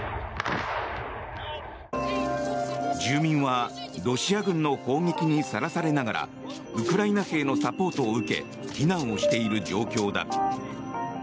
住民はロシア軍の砲撃にさらされながらウクライナ兵のサポートを受け避難をしている状況だ。